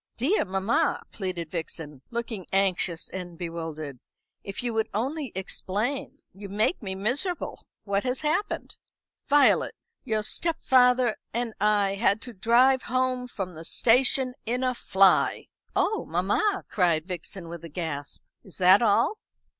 "Dear mamma," pleaded Vixen, looking anxious and bewildered, "if you would only explain. You make me miserable. What has happened?" "Violet, your stepfather and I had to drive home from the station in a fly!" "Oh, mamma!" cried Vixen, with a gasp. "Is that all?"